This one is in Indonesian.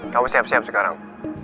kamu siap siap sekarang